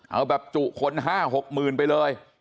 เอาแบบจุคน๕๖หมื่นไปเลย